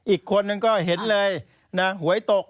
อีกคนก็เห็นเลยหวยตก